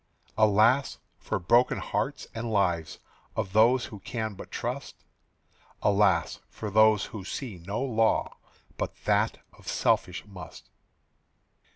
Alas, for broken hearts and lives Of those who can but trust! Alas, for those who see no law But that of selfish must!